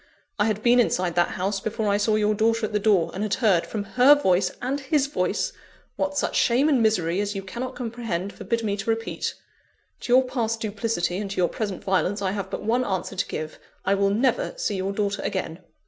I had been inside that house, before I saw your daughter at the door; and had heard, from her voice and his voice, what such shame and misery as you cannot comprehend forbid me to repeat. To your past duplicity, and to your present violence, I have but one answer to give: I will never see your daughter again."